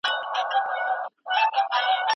هغه سړی اوسمهال د خلکو ترمنځ د کرکي په خپرولو بوخت دی.